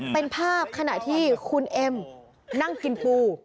เป็นภาพขณะที่คุณเอ็มนั่งกินปู